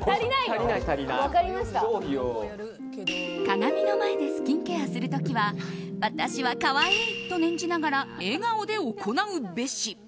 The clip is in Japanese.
鏡の前でスキンケアする時は私は可愛いと念じながら笑顔で行うべし。